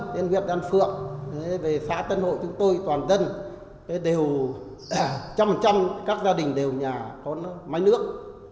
đến việt đan phượng về xã tân hội chúng tôi toàn dân đều chăm chăm các gia đình đều nhà có máy nước